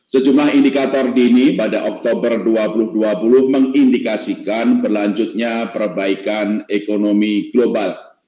sejumlah indikator dini pada oktober dua ribu dua puluh mengindikasikan berlanjutnya perbaikan ekonomi global